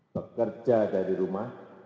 bekerja dari rumah